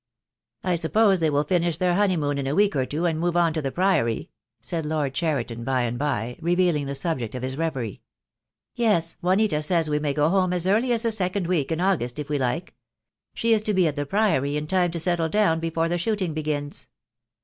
"I suppose they will finish their honeymoon in a week or two, and move on to the Priory," said Lord Cheriton, by and by, revealing the subject of his reverie. "Yes, Juanita says we may go home as early as the second week in August if we like. She is to be at the Priory in time to settle down before the shooting begins.